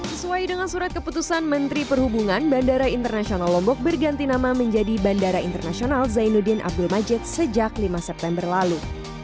sesuai dengan surat keputusan menteri perhubungan bandara internasional lombok berganti nama menjadi bandara internasional zainuddin abdul majid sejak lima september lalu